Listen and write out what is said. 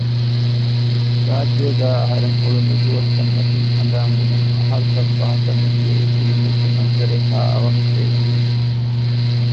ރާއްޖޭގައި އަހަރެން އުޅުނު ދުވަސްތައް މަތީން ހަނދާން ވުމުން އަހަރުތައް ފަހަތަށް މިދިޔައީ ފިލްމެއްގެ މަންޒަރެއްހައި އަވަހަށޭ ހީވި